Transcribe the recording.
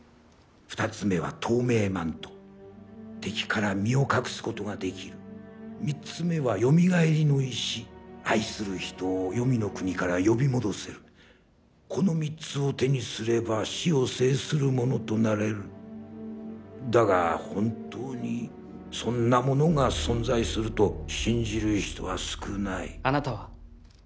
２つ目は透明マント敵から身を隠すことができる３つ目は蘇りの石愛する人を黄泉の国から呼び戻せるこの３つを手にすれば死を制する者となれるだが本当にそんなものが存在すると信じる人は少ないあなたは？